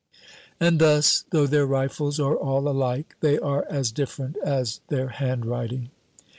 And thus, though their rifles are all alike, they are as different as their handwriting.